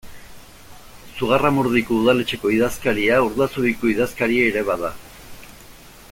Zugarramurdiko udaletxeko idazkaria Urdazubiko idazkari ere bada.